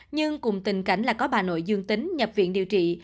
nhưng cùng tình cảnh là có bà nội dương tính nhập viện điều trị